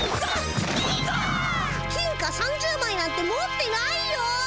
金貨３０まいなんて持ってないよ。